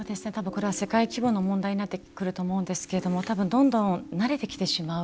世界規模の問題になってくると思うんですけど多分どんどん慣れてきてしまう。